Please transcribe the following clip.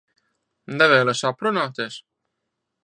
Nevēlies aprunāties?